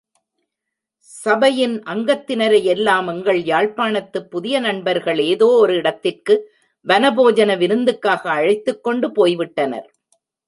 சபையின் அங்கத்தினரையெல்லாம் எங்கள் யாழ்ப்பாணத்துப் புதிய நண்பர்கள் ஏதோ ஓர் இடத்திற்கு வனபோஜன விருந்துக்காக அழைத்துக்கொண்டு போய்விட்டனர்.